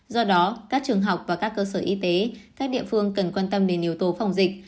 do đó các trường học và các cơ sở y tế các địa phương cần quan tâm đến yếu tố phòng dịch